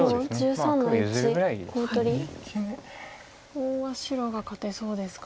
コウは白が勝てそうですか。